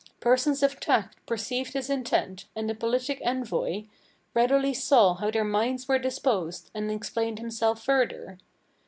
Persons of tact perceived his intent, and the politic envoy Readily saw how their minds were disposed, and explained himself further.